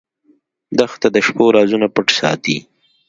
دښته د شپو رازونه پټ ساتي.